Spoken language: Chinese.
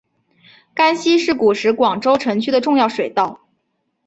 甘溪是古时广州城区的重要水道。